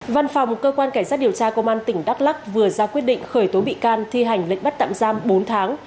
văn phòng cơ quan cảnh sát điều tra công an tỉnh đắk lắc vừa ra quyết định khởi tố bị can thi hành lệnh bắt tạm giam bốn tháng